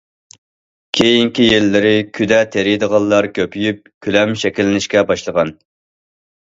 كېيىنكى يىللىرى كۈدە تېرىيدىغانلار كۆپىيىپ كۆلەم شەكىللىنىشكە باشلىغان.